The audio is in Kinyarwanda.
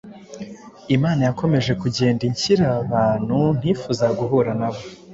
Imana yakomeje kugenda inshyira abantu ntifuzaga guhura na bo.